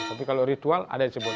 tapi kalau ritual ada disebut